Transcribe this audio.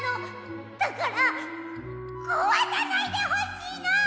だからこわさないでほしいの！